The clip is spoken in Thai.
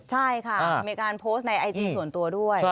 ใช่ค่ะมีการโพสต์ในไอจีส่วนตัวด้วย